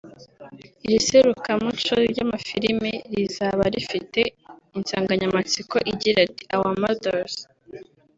Iri serukiramuco ry’amafilimi rizaba rifite insanganyamatsiko igiri iti “ Our Mothers